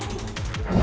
biar aku saja yang mati